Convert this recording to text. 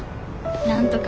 なんとか。